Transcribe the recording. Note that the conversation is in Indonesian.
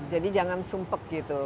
jadi jangan sumpuk gitu